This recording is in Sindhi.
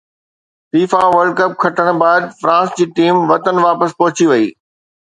فيفا ورلڊ ڪپ کٽڻ بعد فرانس جي ٽيم وطن واپس پهچي وئي